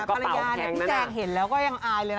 ก็เปล่าแค่งนั้นพี่แจ๊กส์เห็นแล้วก็ยังอายเลยนะ